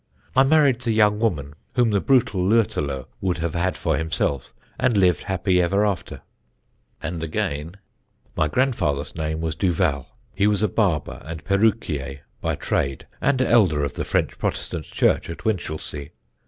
"I married the young woman, whom the brutal Lütterloh would have had for himself, and lived happy ever after." And again: [Sidenote: DENIS DUVAL'S BOYHOOD] "My grandfather's name was Duval; he was a barber and perruquier by trade, and elder of the French Protestant church at Winchelsea.